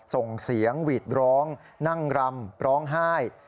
ส่งเสียงหวีดร้องนั่งรำร้องไห้